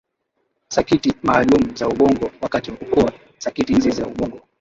sakiti maalum za ubongo wakati wa kukua Sakiti hizi za ubongo